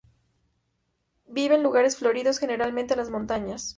Vive en lugares floridos, generalmente en las montañas.